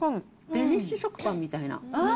デニッシュ食パンみたいな。